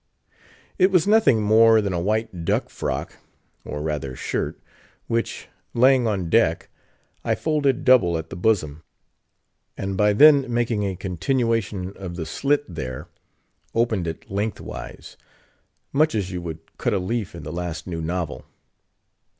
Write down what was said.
It was nothing more than a white duck frock, or rather shirt: which, laying on deck, I folded double at the bosom, and by then making a continuation of the slit there, opened it lengthwise—much as you would cut a leaf in the last new novel.